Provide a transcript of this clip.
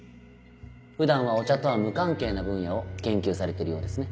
普段はお茶とは無関係な分野を研究されてるようですね。